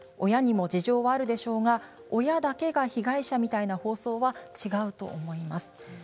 親にも事情があるでしょうが親だけが被害者みたいな放送は違うと思います。